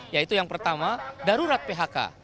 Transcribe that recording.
yaitu yang pertama darurat phk